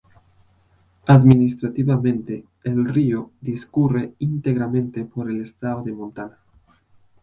Administrativamente, el río discurre íntegramente por el estado de Montana.